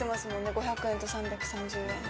５００円と３３０円。